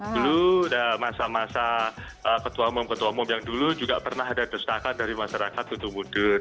dulu ada masa masa ketua umum ketua umum yang dulu juga pernah ada destakan dari masyarakat ketua umum